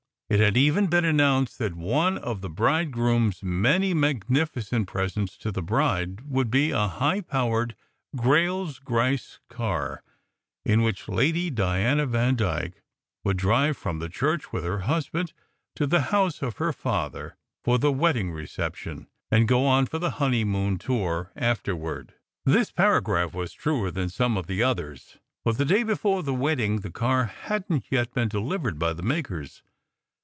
It had even been announced that one of the bridegroom s many mag nificent presents to the bride would be a high powered Grayles Grice car, in which Lady Diana Vandyke would drive from the church with her husband to the house of her father, for the wedding reception, and go on for the honey moon tour afterward. This paragraph was truer than some of the others, but the day before the wedding the car hadn t yet been delivered by the makers.